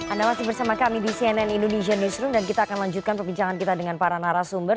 anda masih bersama kami di cnn indonesia newsroom dan kita akan lanjutkan perbincangan kita dengan para narasumber